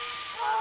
あ！